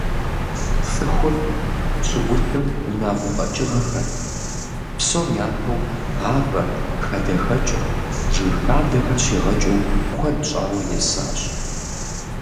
ЦӀыхур щӀыгулъым унагъуэ къэкӀыгъэхэр, псом япэу гъавэр, хадэхэкӀыр, жыг хадэхэр щигъэкӀыу куэд щӀауэ есащ.